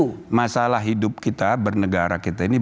itu masalah hidup kita bernegara kita ini